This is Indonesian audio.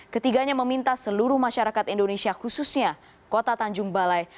ketiganya meminta seluruh masyarakat indonesia khususnya kota tanjung balai